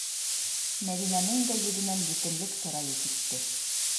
Мәҙинәнең дә йөҙөнән етемлек сырайы китте.